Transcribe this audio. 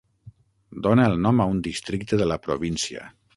Dona el nom a un districte de la província.